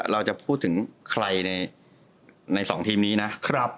เราจะพูดถึงใครใน๒ทีมนี้นะ